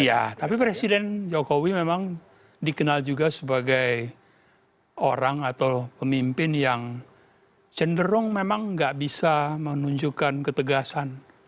iya tapi presiden jokowi memang dikenal juga sebagai orang atau pemimpin yang cenderung memang nggak bisa menunjukkan ketegasan